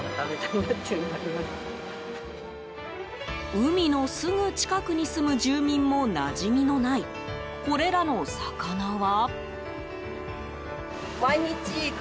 海のすぐ近くに住む住民もなじみのないこれらの魚は。